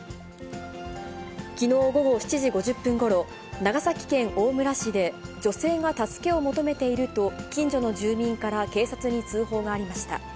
きのう午後７時５０分ごろ、長崎県大村市で女性が助けを求めていると、近所の住民から警察に通報がありました。